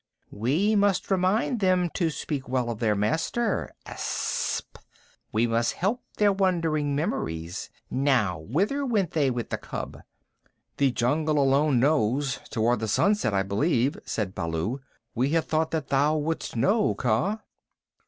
"We must remind them to speak well of their master. Aaa ssp! We must help their wandering memories. Now, whither went they with the cub?" "The jungle alone knows. Toward the sunset, I believe," said Baloo. "We had thought that thou wouldst know, Kaa."